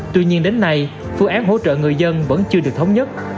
tuy nhiên đến nay phương án hỗ trợ người dân vẫn chưa được thống nhất